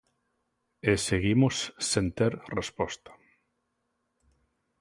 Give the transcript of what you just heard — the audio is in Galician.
E seguimos sen ter resposta.